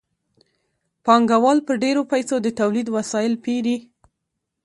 پانګوال په ډېرو پیسو د تولید وسایل پېري